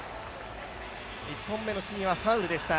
１本目のシンはファウルでした。